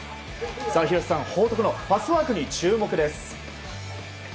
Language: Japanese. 廣瀬さん、報徳のパスワークに注目です。